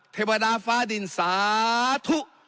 เทวดาฟ้าดินสาธุ